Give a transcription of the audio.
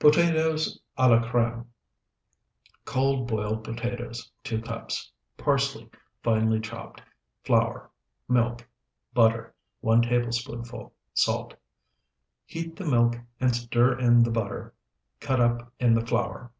POTATOES A LA CREME Cold, boiled potatoes, 2 cups. Parsley, finely chopped. Flour. Milk. Butter, 1 tablespoonful. Salt. Heat the milk and stir in the butter cut up in the flour.